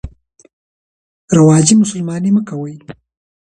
رواجي مسلماني مه کوئ.